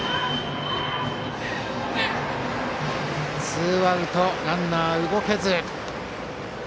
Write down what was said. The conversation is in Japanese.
ツーアウト、ランナー動けず。